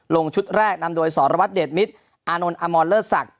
ลงชุดแรกนำโดยสรวรรดิเดชมิตรอานนท์อามอนเลอร์สัก